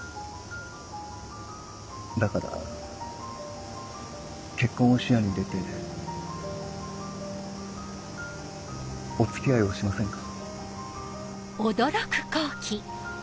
だから結婚を視野に入れてお付き合いをしませんか？